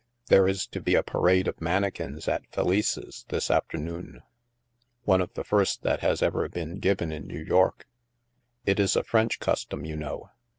There is to be a parade of mannequins at Felice's this af temcMDn — one of the first that has ever been given in New York. It is a French custom, you know.